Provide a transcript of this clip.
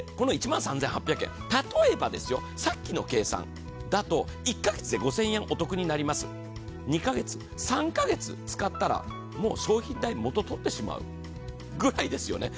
この１万３８００円、例えばですよ、さっきの計算だと１カ月で５０００円お得になります、２カ月、３カ月使ったらもう商品代の元を取ってしまうぐらいですよね。